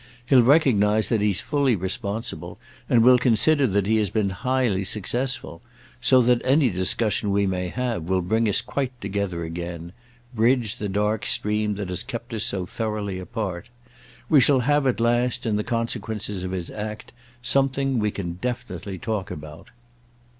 He'll recognise that he's fully responsible, and will consider that he has been highly successful; so that any discussion we may have will bring us quite together again—bridge the dark stream that has kept us so thoroughly apart. We shall have at last, in the consequences of his act, something we can definitely talk about."